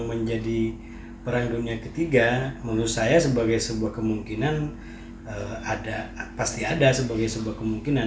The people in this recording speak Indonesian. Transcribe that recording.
menurut saya sebagai sebuah kemungkinan ada pasti ada sebagai sebuah kemungkinan